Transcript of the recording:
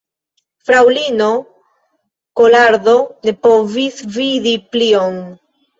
Fraŭlino Kolardo ne povis vidi plion.